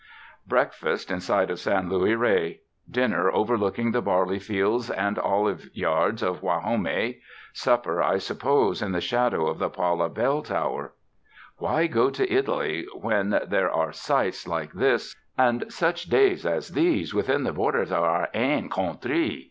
"Breakfast in sight of San Luis Rey; dinner over looking the barley fields and olive yards of Gua jome; supper, I suppose, in the shadow of the Pala l)ell tower; why go to Italy when there are sights like 129 UNDER THE SKY IN CALIFORNIA this and such days as these within the borders of our ain countree?"